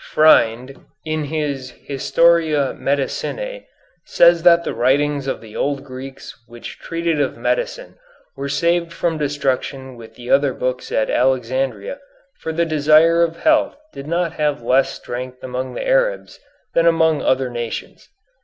Freind, in his "Historia Medicinæ," says that the writings of the old Greeks which treated of medicine were saved from destruction with the other books at Alexandria, for the desire of health did not have less strength among the Arabs than among other nations.